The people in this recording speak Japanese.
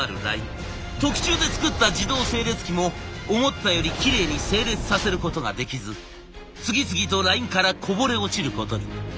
特注で作った自動整列機も思ったよりきれいに整列させることができず次々とラインからこぼれ落ちることに。